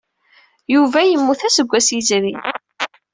Yuba yemmut aseggas yezrin.